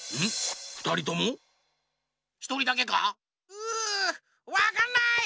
うわかんない！